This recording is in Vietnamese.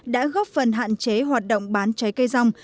đã góp phần hạn chế hoạt động bán trái cây rong